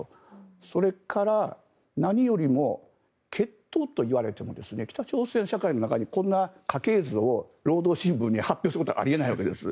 それから何よりも血統といわれても北朝鮮社会の中にこんな家系図を労働新聞に発表することはあり得ないわけです。